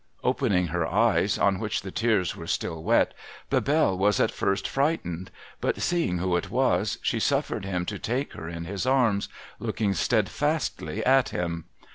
Opening her eyes, on which the tears were still w^et, Bebelle was at first frightened ; but seeing who it was, she suffered him to take her in his arms, looking steadfastly at him.